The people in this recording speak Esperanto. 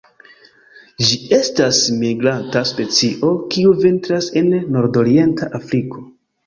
Ĝi estas migranta specio, kiu vintras en nordorienta Afriko.